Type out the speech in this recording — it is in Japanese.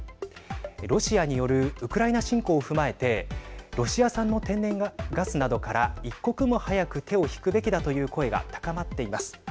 ロシアによるウクライナ侵攻を踏まえてロシア産の天然ガスなどから一刻も早く手を引くべきだという声が高まっています。